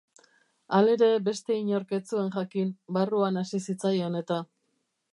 Halere beste inork ez zuen jakin, barruan hasi zitzaion eta.